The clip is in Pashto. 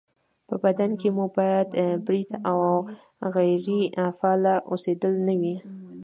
په بدن کې مو باید برید او غیرې فعاله اوسېدل نه وي